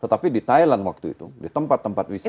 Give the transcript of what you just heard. tetapi di thailand waktu itu di tempat tempat wisata